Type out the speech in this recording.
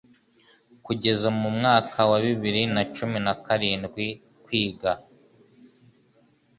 Kugeza mu mwaka wa bibiri na cumi narindi kwiga